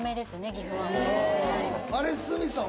岐阜はあれっ鷲見さん